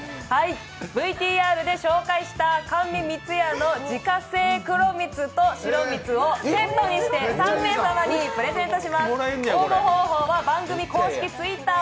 ＶＴＲで紹介した甘味みつやの自家製黒みつと白みつをセットにして３名様にプレゼントします。